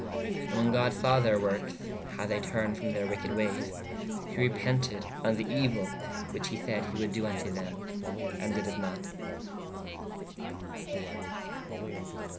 And when god saw theyr workes/ how they turned from theyr weked wayes/ he repented on [the] euell which he sayd he wold doo vn to them/ ād dyd it not.